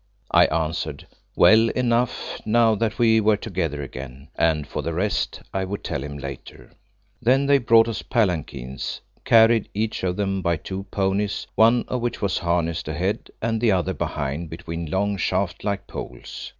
I answered, well enough now that we were together again, and for the rest I would tell him later. Then they brought us palanquins, carried, each of them, by two ponies, one of which was harnessed ahead and the other behind between long shaft like poles.